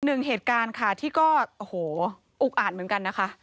หนึ่งเหตุการณ์ค่ะที่ก็โอ้โหอุกอ่านเหมือนกันนะคะ